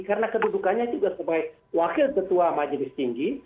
karena kedudukannya juga sebagai wakil ketua majelis tinggi